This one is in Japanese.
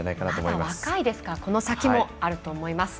まだ若いですからこの先もあると思います。